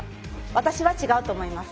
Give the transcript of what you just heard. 私は違うと思います。